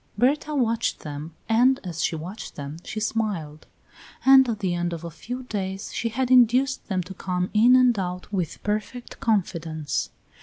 Berta watched them, and as she watched them she smiled; and at the end of a few days she had induced them to come in and out with perfect confidence.